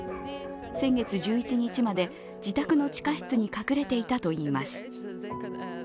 先月１１日まで自宅の地下室に隠れていたといいます。